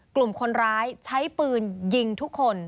กลุ่มคนร้ายใช้ปืนยิงทุกคน